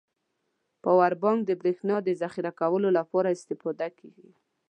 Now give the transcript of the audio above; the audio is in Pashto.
پاور بانک د بريښنا د زخيره کولو لپاره استفاده کیږی.